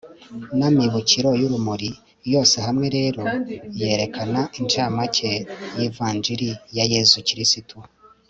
n'amibukiro y'urumuri. yose hamwe rero yerekana inshamake y'ivanjili ya yezu kristu